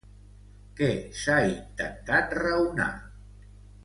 Què s'ha intentat raonar?